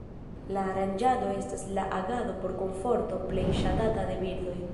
La Aranĝado estas la agado por komforto plej ŝatata de birdoj.